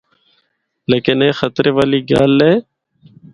لیکن اے خطرے والی گل اے۔